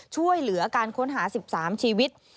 ช่วยเหลือการค้นหา๑๓ชีวิต